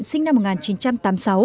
sinh năm một nghìn chín trăm tám mươi sáu